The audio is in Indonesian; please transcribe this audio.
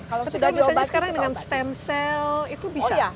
tapi kalau misalnya sekarang dengan stem cell itu bisa